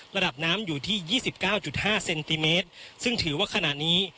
ระดับน้ำอยู่ที่ยี่สิบเก้าจุดห้าเซนติเมตรซึ่งถือว่าขณะนี้